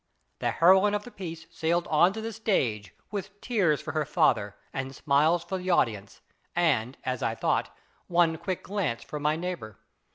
The heroine of the piece sailed on to the stage, with tears for her father and smiles for the audience, and, as I thought, one quick glance for my neighbour.